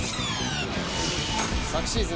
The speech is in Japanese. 昨シーズン